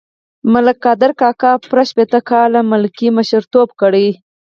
ملک قادر کاکا پوره شپېته کاله ملکي او مشرتوب کړی.